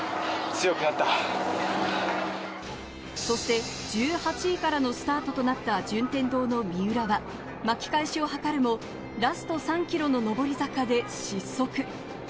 そして１８位からのスタートとなった順天堂の三浦は巻き返しを図るもラスト３ｋｍの上り坂で失速。